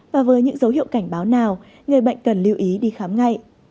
và với những dấu hiệu cảnh báo nào người bệnh cần lưu ý đi khám ngay